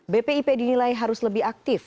bpip dinilai harus lebih aktif